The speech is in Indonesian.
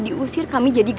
kita pasti orang terug